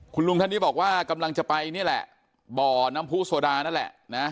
คุณลุงท่านนี้บอกว่ากำลังจะไปนี่แหละบ่อน้ำผู้โซดานั่นแหละนะ